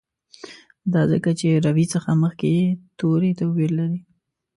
دا ځکه چې روي څخه مخکي یې توري توپیر لري.